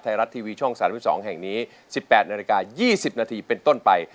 ไทยรัฐทีวีช่องสามีสองแห่งนี้สิบแปดนาฬิกายี่สิบนาทีเป็นต้นไป